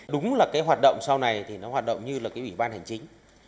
đúng là cái hoạt động sau này thì nó hoạt động như là cái ủy ban hành chính